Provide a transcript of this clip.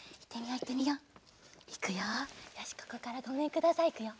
よしここから「ごめんください」いくよ。